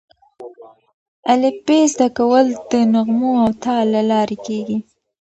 الفبې زده کول د نغمو او تال له لارې کېږي.